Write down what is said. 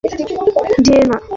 তার পেছনে যেও না।